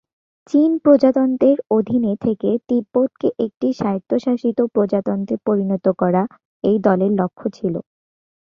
চীন প্রজাতন্ত্রের অধীনে থেকে তিব্বতকে একটি স্বায়ত্তশাসিত প্রজাতন্ত্রে পরিণত করা এই দলের লক্ষ্য ছিল।